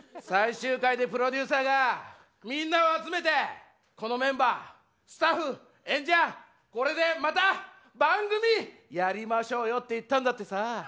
最終回でプロデューサーがみんなを集めて「このメンバースタッフ演者これでまた番組やりましょうよ」って言ったんだってさ。